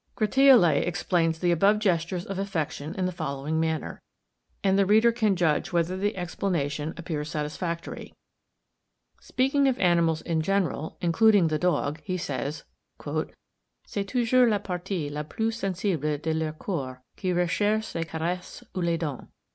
Gratiolet explains the above gestures of affection in the following manner: and the reader can judge whether the explanation appears satisfactory. Speaking of animals in general, including the dog, he says, "C'est toujours la partie la plus sensible de leurs corps qui recherche les caresses ou les donne.